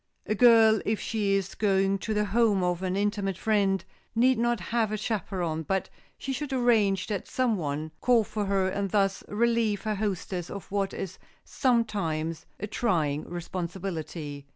A girl, if she is going to the home of an intimate friend, need not have a chaperon, but she should arrange that some one call for her and thus relieve her hostess of what is sometimes a trying responsibility.